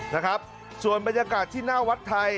นะครับส่วนบรรยากาศที่หน้าวัดไทย